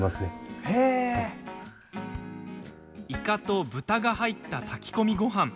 イカと豚が入った炊き込みごはん。